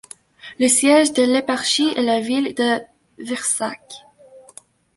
Le siège de l'éparchie est la ville de Vršac.